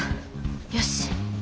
よし。